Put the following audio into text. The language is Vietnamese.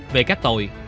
về các tội